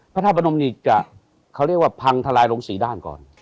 พระท่านพระนมนิกจะเขาเรียกว่าพังทะลายลง๔ด้านก่อน